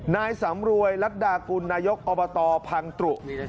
นายสำรวยรัฐดากุลนายกอบตพังตรุ